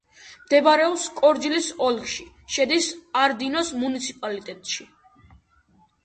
მდებარეობს კირჯალის ოლქში, შედის არდინოს მუნიციპალიტეტში.